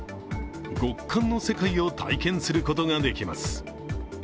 極寒の世界を体験することができます。